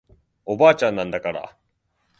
おばあちゃんなんだから